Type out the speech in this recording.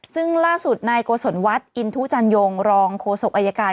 ซึ่งล่าสุดนายโกศลวัฒน์อินทุจันยงรองโฆษกอายการ